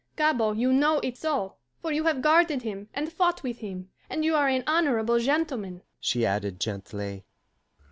Gabord, you know it so, for you have guarded him and fought with him, and you are an honourable gentleman," she added gently.